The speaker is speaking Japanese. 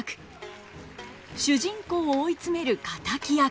主人公を追い詰める敵役。